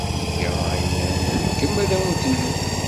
Nga ayen ay nṛeggem ad awen-t-neg.